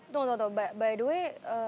tunggu tunggu tunggu by the way